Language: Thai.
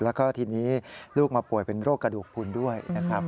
แล้วก็ทีนี้ลูกมาป่วยเป็นโรคกระดูกพุนด้วยนะครับ